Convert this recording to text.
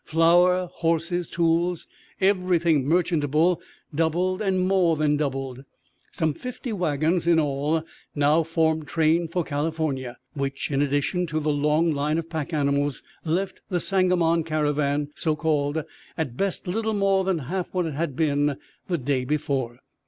Flour, horses, tools, everything merchantable, doubled and more than doubled. Some fifty wagons in all now formed train for California, which, in addition to the long line of pack animals, left the Sangamon caravan, so called, at best little more than half what it had been the day before.